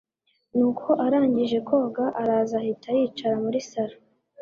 nuko arangije koga araza ahita yicara muri sallon